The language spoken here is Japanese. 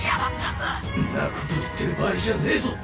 んなこと言ってる場合じゃねぇぞ！